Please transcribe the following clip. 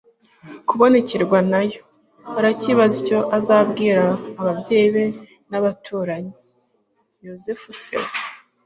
kubonekerwa na yo. arakibaza icyo azabwira ababyeyi be n'abaturanyi. yozefu se we